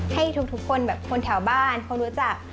ให้ทุกคนแบบคนแถวบ้านคนรู้จัก